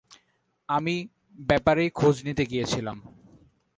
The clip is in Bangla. আমি ব্যাপারেই খোঁজ নিতে গিয়েছিলাম।